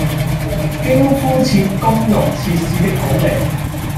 經敷設公用設施的土地